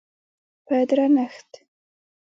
په درنښت